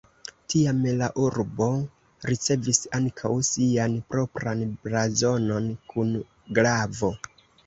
Tiam la urbo ricevis ankaŭ sian propran blazonon kun glavo.